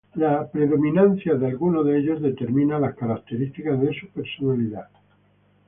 La predominancia de alguno de ellos determina las características de su personalidad.